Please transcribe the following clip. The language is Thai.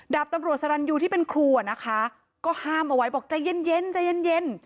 ดาบตำรวจสรรรย์ยูที่เป็นครูนะคะก็ห้ามเอาไว้บอกใจเย็น